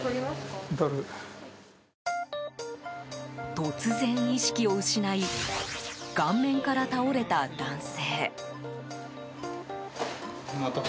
突然、意識を失い顔面から倒れた男性。